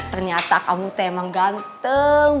ternyata kamu tuh emang ganteng